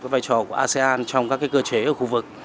vai trò của asean trong các cơ chế ở khu vực